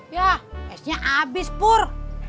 ya esnya abis pur